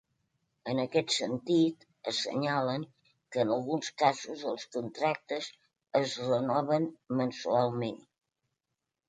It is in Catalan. En aquest sentit, assenyalen que en alguns casos els contractes es renoven mensualment.